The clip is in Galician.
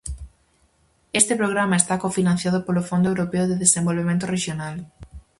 Este programa está co-financiado polo Fondo Europeo de Desenvolvemento Rexional.